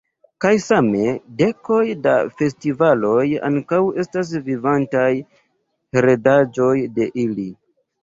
Kaj same, dekoj da festivaloj ankaŭ estas vivantaj heredaĵoj de ili.